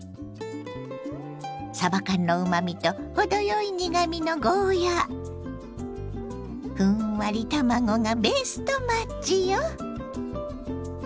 さば缶のうまみと程よい苦みのゴーヤーふんわり卵がベストマッチよ。